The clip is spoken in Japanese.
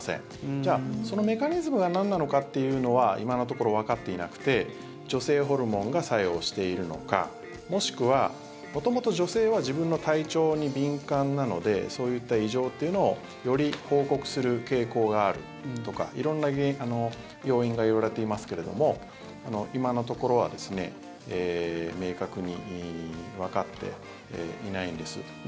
じゃあ、そのメカニズムがなんなのかっていうのは今のところわかっていなくて女性ホルモンが作用しているのかもしくは、元々女性は自分の体調に敏感なのでそういった異常というのをより報告する傾向があるとか色んな要因が言われていますけれども今のところは明確にわかっていないんです。